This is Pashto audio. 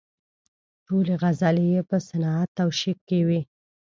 ټولې غزلې یې په صنعت توشیح کې وې.